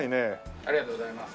ありがとうございます。